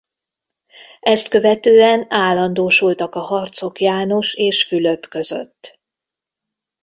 Ezt követően állandósultak a harcok János és Fülöp között.